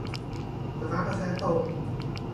ไฟฟ้ากระแสตรง